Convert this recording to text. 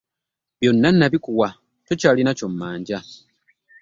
Byonna nabikuwa tokyalina ky'ommanja.